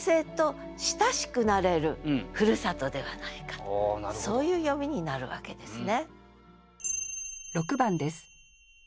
となるとそういう読みになるわけですね。